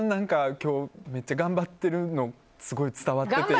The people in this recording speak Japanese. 今日めっちゃ頑張ってるのすごい伝わってきて。